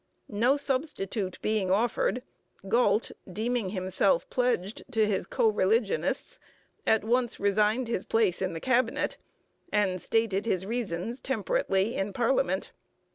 No substitute being offered, Galt, deeming himself pledged to his co religionists, at once resigned his place in the Cabinet and stated his reasons temperately in parliament.